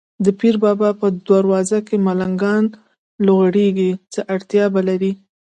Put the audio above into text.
د پیر بابا په دروازه کې ملنګان لوغړېږي، څه اړتیا به لري.